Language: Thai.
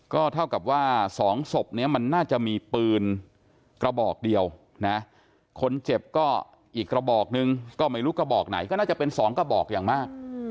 ก็เท่ากับว่า๒ศพนี้มันน่าจะมีปืนกระบอกเดียวนะคนเจ็บก็อีกกระบอกนึงก็ไม่รู้กระบอกไหนก็น่าจะเป็น๒กระบอกอย่างมาก